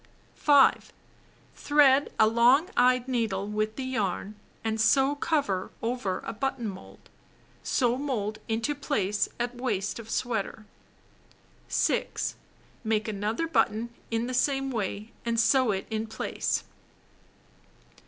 5. Thread a long eyed needle with the yarn and sew cover over a button mold. Sew mold into place at waist of sweater. 6. Make another button in the same way and sew it in place.